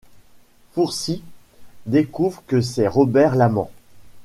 Fourcy découvre que c'est Robert l'amant.